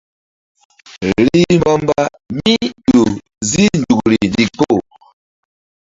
Rih mbamba mí ƴo zi nzukri ndikpo.